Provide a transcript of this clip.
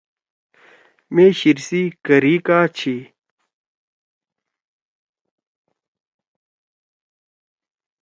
مے شیِر سی کَری کا چھی؟